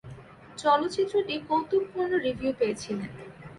চলচ্চিত্রটি কৌতুকপূর্ণ রিভিউ পেয়েছিলেন।